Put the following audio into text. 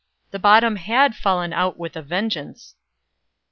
The bottom had fallen out with a vengeance!